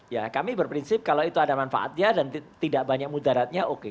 ya kami berprinsip kalau itu ada manfaatnya dan tidak banyak mudaratnya oke